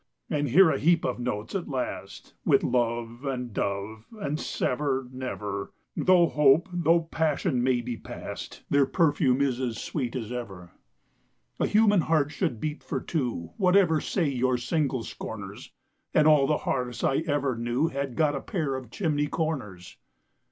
And here a heap of notes, at last, With "love" and "dove," and "sever" "never"— Though hope, though passion may be past, Their perfume is as sweet as ever. A human heart should beat for two, Whatever say your single scorners, And all the hearths I ever knew Had got a pair of chimney corners.